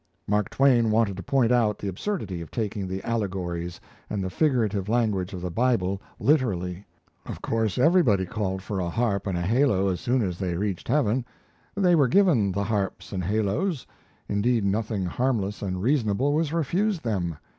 Mark Twain wanted to point out the absurdity of taking the allegories and the figurative language of the Bible literally. Of course everybody called for a harp and a halo as soon as they reached heaven. They were given the harps and halos indeed nothing harmless and reasonable was refused them.